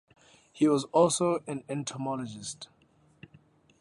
He was also an entomologist.